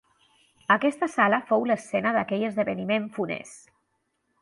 Aquesta sala fou l'escena d'aquell esdeveniment funest.